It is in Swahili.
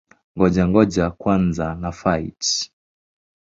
Ngoja-ngoja kwanza na-fight!